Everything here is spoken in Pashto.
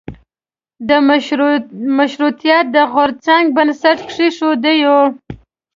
د مشروطیت د غورځنګ بنسټ کېښودیو.